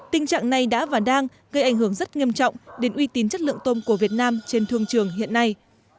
tình trạng này đã và đang gây ảnh hưởng rất nghiêm trọng đến uy tín chất lượng tôm của việt nam trên thương trường hiện nay